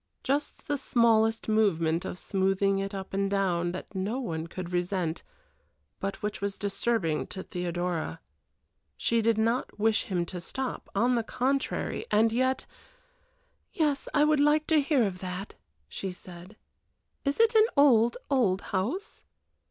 Just the smallest movement of smoothing it up and down that no one could resent, but which was disturbing to Theodora. She did not wish him to stop, on the contrary and yet "Yes, I would like to hear of that," she said. "Is it an old, old house?"